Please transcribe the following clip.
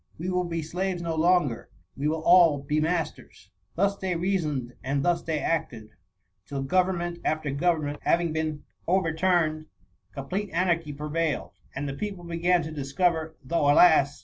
We will be slaves no longer; we will aU be masters." Thus they reasoned, and thus they acted, till government after government having been b THE MCTMMY. overturned, complete anarchy prevailed; and. the people began to discover, though, alas!